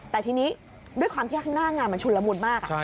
แต่ทีนี้ด้วยความที่ข้างหน้างานมันชุนละมุนมาก